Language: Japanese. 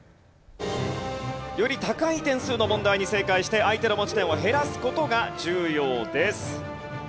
より高い点数の問題に正解して相手の持ち点を減らす事が重要です。